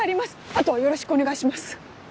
あとはよろしくお願いします。